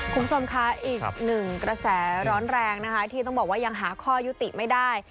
คุณผู้ชมคะอีกหนึ่งกระแสร้อนแรงนะคะที่ต้องบอกว่ายังหาข้อยุติไม่ได้